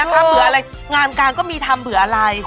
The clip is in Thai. ถ้าเผื่ออะไรงานการก็มีทำเผื่ออะไร